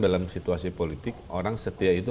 dalam situasi politik orang setia itu